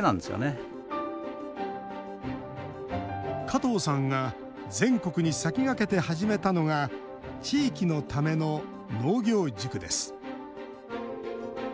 加藤さんが全国に先駆けて始めたのが地域のための農業塾です。